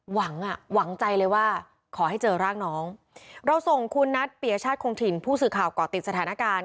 หวังอ่ะหวังใจเลยว่าขอให้เจอร่างน้องเราส่งคุณนัทเปียชาติคงถิ่นผู้สื่อข่าวก่อติดสถานการณ์